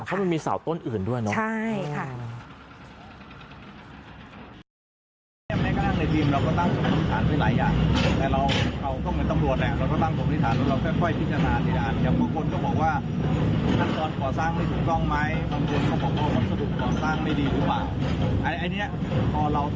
เพราะมันมีสาวต้นอื่นด้วยเนอะใช่ค่ะใช่ค่ะ